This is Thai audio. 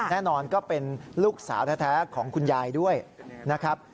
แน่นอนก็เป็นลูกสาวแท้ของคุณยายด้วยนะครับ